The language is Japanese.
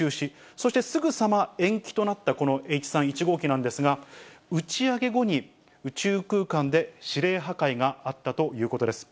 そしてすぐさま、延期となったこのＨ３・１号機なんですが、打ち上げ後に宇宙空間で指令破壊があったということです。